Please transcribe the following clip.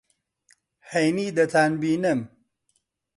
ھەینی دەتانبینم.